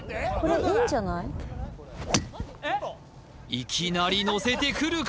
いきなり乗せてくるか？